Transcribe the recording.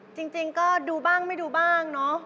จริงก็ดูบ้างไม่ดูบ้างเนอะ